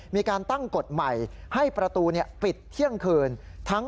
มีการตั้งกฎใหม่ให้ประตูปิดเที่ยงคืน